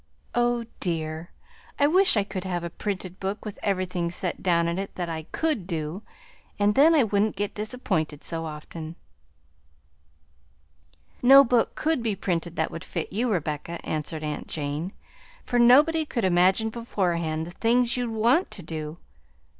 Oh dear! I wish I could have a printed book with everything set down in it that I COULD do, and then I wouldn't get disappointed so often." "No book could be printed that would fit you, Rebecca," answered aunt Jane, "for nobody could imagine beforehand the things you'd want to do.